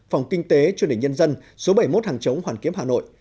phòng kinh tế chuyên đình nhân dân số bảy mươi một hàng chống hoàn kiếm hà nội